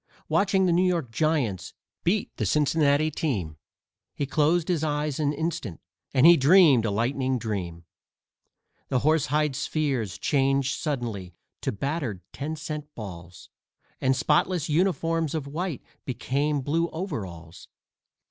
Watching the New York Giants beat the Cincinnati team, He closed his eyes an instant and he dreamed a lightning dream. The horsehide spheres changed suddenly to battered ten cent balls, And spotless uniforms of white became blue overalls.